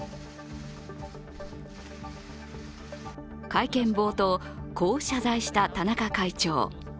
会見冒頭、こう謝罪した田中会長。